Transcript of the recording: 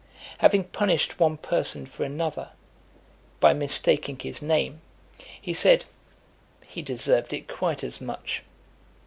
Having punished one person for another, by mistaking his name, he said, "he deserved it quite as much."